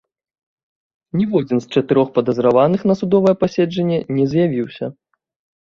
Ніводзін з чатырох падазраваных на судовае паседжанне не з'явіўся.